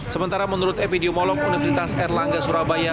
sementara menurut epidemiolog universitas erlangga surabaya